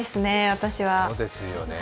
私は。